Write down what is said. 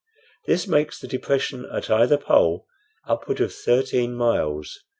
This makes the depression at either pole upward of thirteen miles.